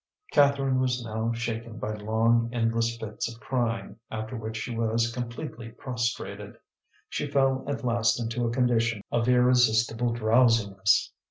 Catherine was now shaken by long endless fits of crying, after which she was completely prostrated. She fell at last into a condition of irresistible drowsiness.